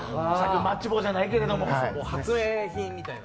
マッチ棒じゃないけれども発明品みたいな。